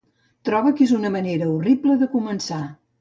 Troba que és una manera horrible de començar.